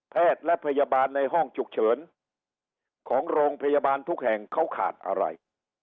แพทย์และพยาบาลในห้องฉุกเฉินของโรงพยาบาลทุกแห่งเขาขาดอะไร